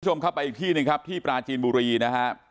คุณผู้ชมครับไปอีกที่หนึ่งครับที่ปราจีนบุรีนะฮะ